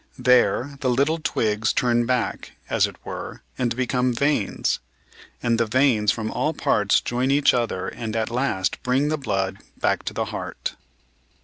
There the little twigs turn back, as it were, and become veins, and the veins from all parts join each other and at last bring the blood back to the heart.